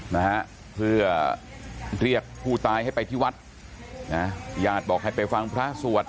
นะฮะเพื่อเรียกผู้ตายให้ไปที่วัดนะญาติบอกให้ไปฟังพระสวด